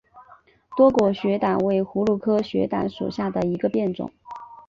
多果雪胆为葫芦科雪胆属下的一个变种。